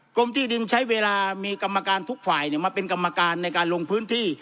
กรมที่ดินใช้เวลามีกรรมการทุกฝ่ายมาเป็นกรรมการในการลงพื้นที่